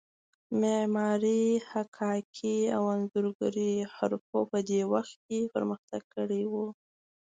معمارۍ، حکاکۍ او انځورګرۍ حرفو په دې وخت کې پرمختګ کړی و.